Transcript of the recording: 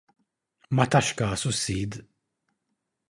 Ma tax kasu s-Sid.